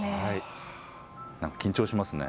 緊張しますね。